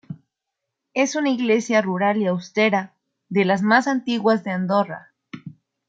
Es una iglesia rural y austera, de las más antiguas de Andorra.